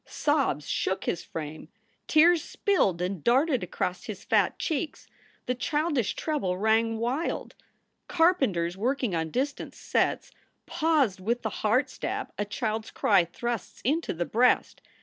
Sobs shook his frame. Tears spilled and darted across his fat cheeks. The childish treble rang wild. Carpenters working on distant sets paused with the heart stab a child s cry thrusts into the breast.